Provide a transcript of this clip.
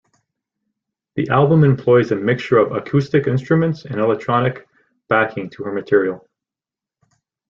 The album employs a mixture of acoustic instruments and electronic backing to her material.